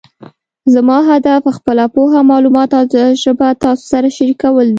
زما هدف خپله پوهه، معلومات او تجربه تاسو سره شریکول دي